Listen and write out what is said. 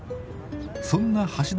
そんな橋処